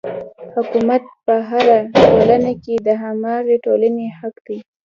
حکومت په هره ټولنه کې د هماغې ټولنې حق دی.